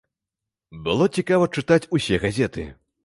Было цікава чытаць усе газеты.